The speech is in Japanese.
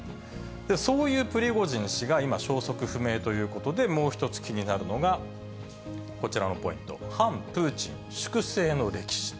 そういうプリゴジン氏が、今、消息不明ということで、もう１つ気になるのが、こちらのポイント、反プーチン粛清の歴史。